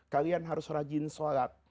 kalian harus rajin salat